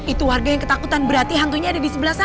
itu warga yang ketakutan berarti hantunya ada di sebelah sana